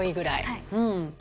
はい。